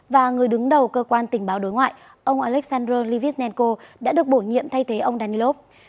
và người đứng đầu cơ quan tình báo đối ngoại ông alexander livisnenko đã được bổ nhiệm thay thế ông danilov